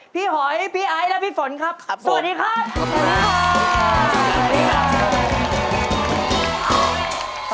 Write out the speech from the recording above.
หอยพี่ไอซ์และพี่ฝนครับสวัสดีครับ